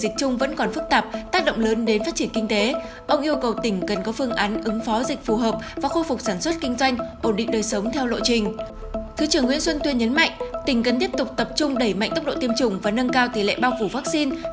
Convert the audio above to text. thứ trưởng nguyễn xuân tuyên nhấn mạnh tỉnh cần tiếp tục tập trung đẩy mạnh tốc độ tiêm chủng và nâng cao tỷ lệ bao phủ vaccine